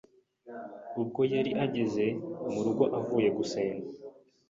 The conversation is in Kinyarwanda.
ubwo yari ageze mu rugo avuye gusenga